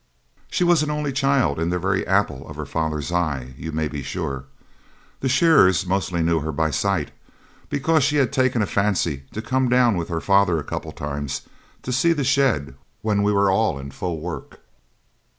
She was an only child, and the very apple of her father's eye, you may be sure. The shearers mostly knew her by sight, because she had taken a fancy to come down with her father a couple of times to see the shed when we were all in full work.